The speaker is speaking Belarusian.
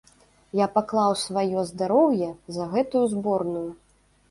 Я паклаў сваё здароўе за гэтую зборную.